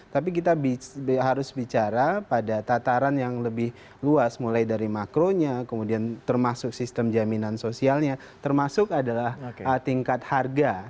tapi kita harus bicara pada tataran yang lebih luas mulai dari makronya kemudian termasuk sistem jaminan sosialnya termasuk adalah tingkat harga